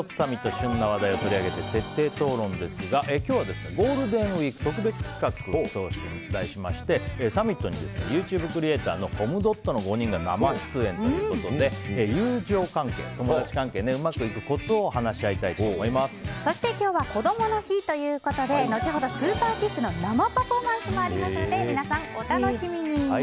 旬な話題を取り上げて徹底討論ですが今日はゴールデンウィーク特別企画と題しましてサミットにＹｏｕＴｕｂｅクリエーターのコムドットの５人が生出演ということで友情関係、友達関係がうまくいくコツについてそして今日はこどもの日ということで後ほどスーパーキッズの生パフォーマンスもありますので皆さん、お楽しみに。